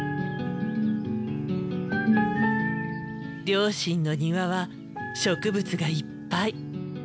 両親の庭は植物がいっぱい。